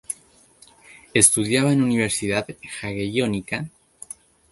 Estudiaba en Universidad Jagellónica.